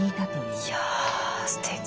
いやすてき。